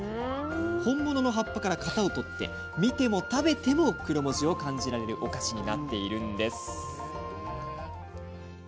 本物の葉っぱから型を取り見ても食べてもクロモジを感じられるお菓子になっているんです。